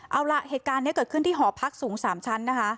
เอาล่ะเหตุการณ์นี้เกิดขึ้นที่หอพักสูง๓ชั้นนะคะ